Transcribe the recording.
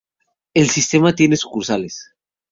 El sistema tiene sucursales.